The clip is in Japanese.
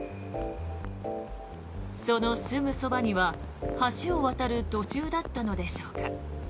そのすぐそばには、橋を渡る途中だったのでしょうか。